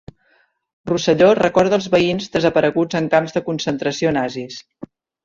Rosselló recorda els veïns desapareguts en camps de concentració nazis.